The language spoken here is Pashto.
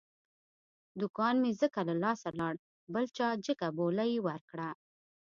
دوکان مې ځکه له لاسه لاړ، بل چا جگه بولۍ ور کړه.